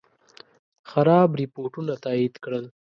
خراب رپوټونه تایید کړل.